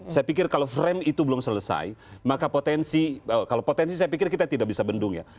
saya pikir kalau frame itu belum selesai maka potensi kalau potensi saya pikir kita tidak bisa bendung ya